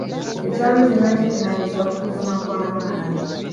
Ekyalo kyonna kivunaanyizibwa ku kusoma kw'abaana.